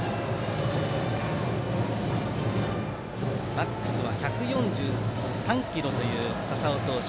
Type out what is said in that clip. マックスは１４３キロという笹尾投手。